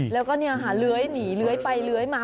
แล้วก็เลื้อยหนีเลื้อยไปเลื้อยมา